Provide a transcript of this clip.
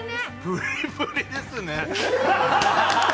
プリプリですね。